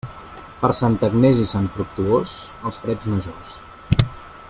Per Santa Agnés i Sant Fructuós, els freds majors.